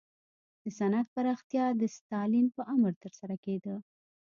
د صنعت پراختیا د ستالین په امر ترسره کېده